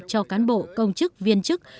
cho cán bộ công chức viên chức